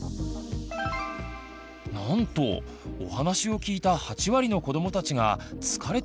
なんとお話を聞いた８割のこどもたちが「疲れている」と答えました。